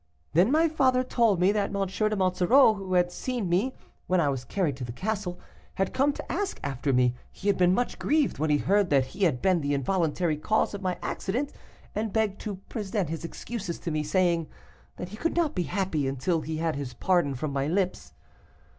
Then my father told me, that M. de Monsoreau, who had seen me, when I was carried to the castle, had come to ask after me; he had been much grieved when he heard that he had been the involuntary cause of my accident and begged to present his excuses to me, saying, that he could not be happy until he had his pardon from my own lips.